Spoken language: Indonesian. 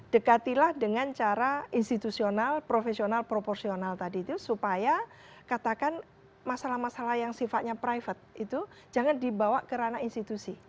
dekatilah dengan cara institusional profesional proporsional tadi itu supaya katakan masalah masalah yang sifatnya private itu jangan dibawa ke ranah institusi